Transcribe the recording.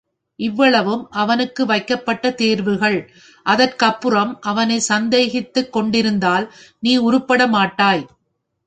இவ்வளவும் அவனுக்கு வைக்கப்ப்ட்ட தேர்வுகள் அதற்கப்புறமும் அவனைச் சந்தேகித்துக் கொண்டிருந்தால் நீ உருப்படமாட்டாய்.